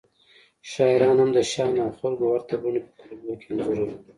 شاعران هم د شیانو او خلکو ورته بڼې په کلمو کې انځوروي